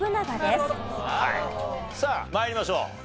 さあ参りましょう。